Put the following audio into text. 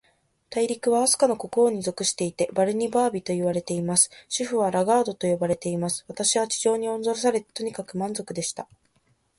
大陸は、飛島の国王に属していて、バルニバービといわれています。首府はラガードと呼ばれています。私は地上におろされて、とにかく満足でした。